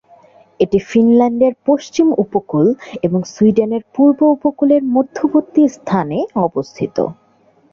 এটি ফিনল্যান্ডের পশ্চিম উপকূল এবং সুইডেনের পূর্ব উপকূলের মধ্যবর্তী স্থানে অবস্থিত।